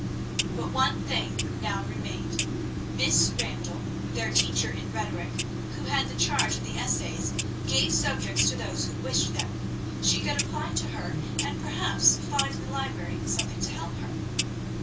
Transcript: But one thing now remained. Miss Randall, their teacher in rhetoric, who had the charge of the essays, gave subjects to those who wished them; she could apply to her, and perhaps find in the library something to help her.